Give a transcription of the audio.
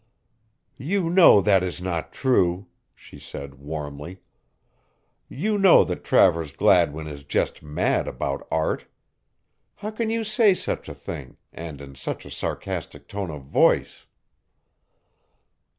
"You know that is not true," she said warmly. "You know that Travers Gladwin is just mad about art. How can you say such a thing, and in such a sarcastic tone of voice?"